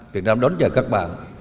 việt nam đón chờ các bạn